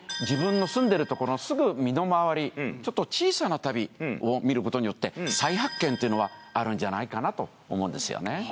自分の住んでるところのすぐ身のまわりちょっと小さな旅を見ることによって再発見っていうのはあるんじゃないかなと思うんですよね。